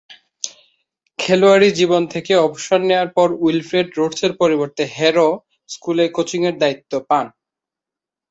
খেলোয়াড়ী জীবন থেকে অবসর নেয়ার পর উইলফ্রেড রোডসের পরিবর্তে হ্যারো স্কুলে কোচিংয়ের দায়িত্ব পান।